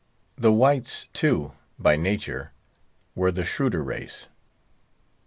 The whites, too, by nature, were the shrewder race.